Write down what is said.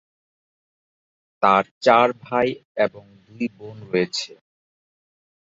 তার চার ভাই এবং দুই বোন রয়েছে।